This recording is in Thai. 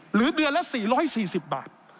หรือเดือนละ๔๔๐บาท